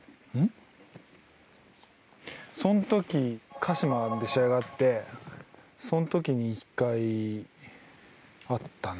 鹿島で試合があってその時に１回、会ったな。